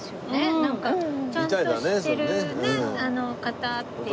なんかちゃんと知ってる方っていう。